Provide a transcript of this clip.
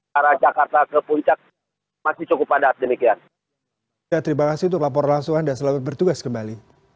arah jakarta ke puncak masih cukup padat demikian